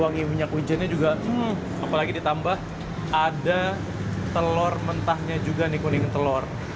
wangi minyak wijennya juga apalagi ditambah ada telur mentahnya juga nih kuning telur